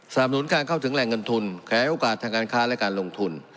หนุนการเข้าถึงแหล่งเงินทุนขยายโอกาสทางการค้าและการลงทุน